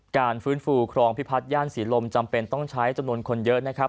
การฟื้นฟูครองพิพัฒนย่านศรีลมจำเป็นต้องใช้จำนวนคนเยอะนะครับ